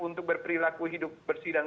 untuk berperilaku hidup bersih dan